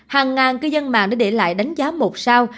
hàng ngàn cư dân mạng đã để lại đánh giá một sao